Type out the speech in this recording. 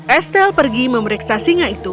estel pergi memeriksa singa itu